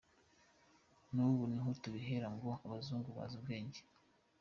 N’ubu niho tubihera ngo abazungu bazi ubwenge.